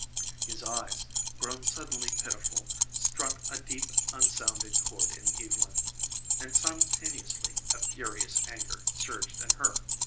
His eyes, grown suddenly pitiful, struck a deep, unsounded chord in Evylyn and simultaneously a furious anger surged in her.